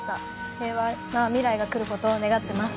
平和な未来が来ることを願っています。